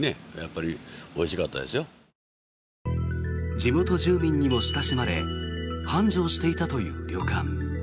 地元住民にも親しまれ繁盛していたという旅館。